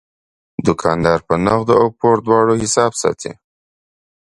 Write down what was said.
دوکاندار په نغدو او پور دواړو حساب ساتي.